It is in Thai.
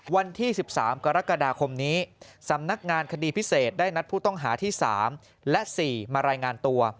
วันที่๑๓กรกฎาคมนี้สำนักงานคดีพิเศษได้นัดผู้ต้องหาที่๓และ๔มารายงานตัว